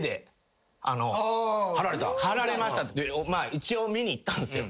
一応見に行ったんですよ。